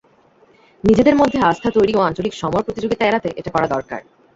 নিজেদের মধ্যে আস্থা তৈরি ও আঞ্চলিক সমর প্রতিযোগিতা এড়াতে এটা করা দরকার।